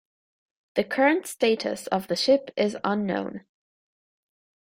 The current status of the ship is unknown.